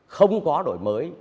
không có đổi mới